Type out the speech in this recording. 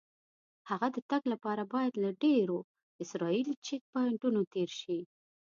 هلته د تګ لپاره باید له ډېرو اسرایلي چیک پواینټونو تېر شې.